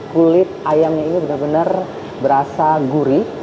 kulit ayamnya ini benar benar berasa gurih